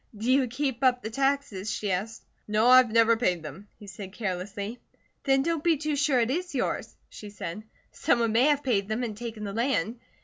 "Do you keep up the taxes?" she asked. "No. I've never paid them," he said carelessly. "Then don't be too sure it is yours," she said. "Someone may have paid them and taken the land.